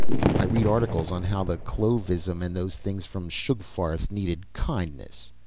I read articles on how the Clovisem and those things from Sugfarth needed kindness.